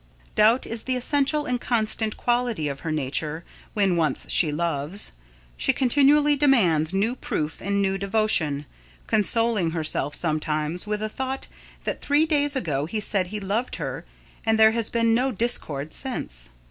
Doubt is the essential and constant quality of her nature, when once she loves. She continually demands new proof and new devotion, consoling herself sometimes with the thought that three days ago he said he loved her and there has been no discord since.